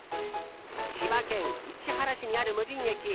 千葉県市原市にある無人駅